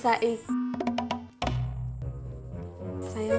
saya gak jadi terusin ngomongnya